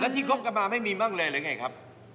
ที่คบกันมาไม่มีบ้างเลยหรือไงครับ